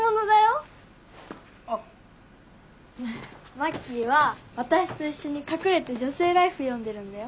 マッキーは私と一緒に隠れて「女性ＬＩＦＥ」読んでるんだよ。